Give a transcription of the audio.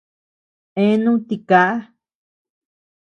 Eeanu tikaa.